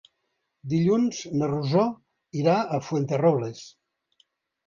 Dilluns na Rosó irà a Fuenterrobles.